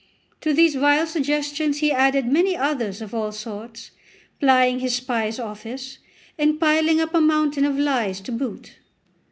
To these vile suggestions he added many others of all sorts, plying his spy's office, and piling up a mountain of lies to boot.